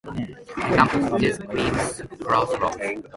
An example is Cream's "Crossroads".